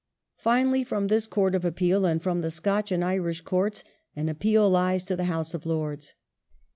Finally, from this Court of Appeal, and from the Scotch and Irish Courts, an appeal lies to the House of Lords.